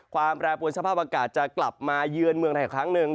ความแรงปวดสภาพอากาศจะกลับมาเยือนเมืองแถวครั้งหนึ่ง